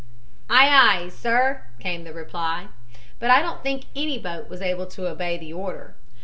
"'Aye, aye, sir,' came up the reply; but I don't think any boat was able to obey the order.